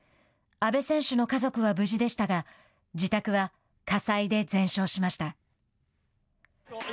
阿部選手の家族は無事でしたが自宅は火災で全焼しました。